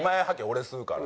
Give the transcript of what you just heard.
俺吸うから。